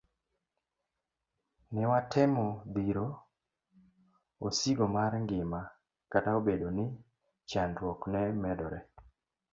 Newatemo dhiro osigo mar ngima kata obedo ni chandruok ne medore.